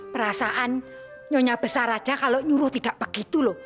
perasaan nyonya besar aja kalau nyuruh tidak begitu loh